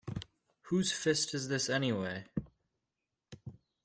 Whose Fist Is this Anyway?